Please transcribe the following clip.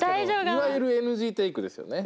いわゆるＮＧテイクですよね。